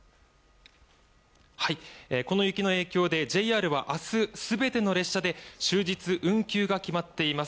この雪の影響でＪＲは明日全ての列車で終日運休が決まっています。